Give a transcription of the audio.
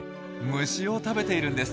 虫を食べているんです。